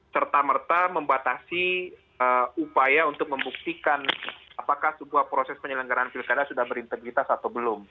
serta merta membatasi upaya untuk membuktikan apakah sebuah proses penyelenggaraan pilkada sudah berintegritas atau belum